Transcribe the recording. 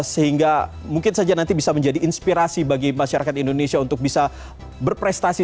sehingga mungkin saja nanti bisa menjadi inspirasi bagi masyarakat indonesia untuk bisa berprestasi